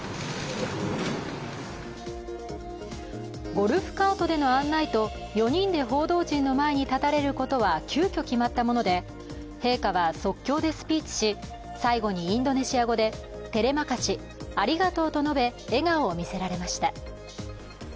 ゴルフカートでの案内と４人で報道陣の前に立たれることは急きょ決まったもので陛下は即興でスピーチし最後にインドネシア語でテレマカシ＝ありがとうと述べ笑顔を見せられました。